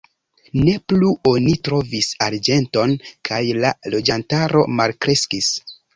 Ne plu oni trovis arĝenton kaj la loĝantaro malkreskis.